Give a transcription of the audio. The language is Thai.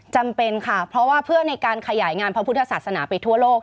จำเป็นค่ะเพราะว่าเพื่อในการขยายงานพระพุทธศาสนาไปทั่วโลก